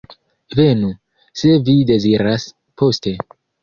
Venu, se vi deziras, poste.